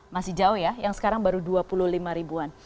masih jauh ya yang sekarang baru dua puluh lima ribuan